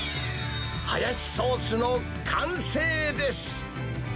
ハヤシソースの完成です。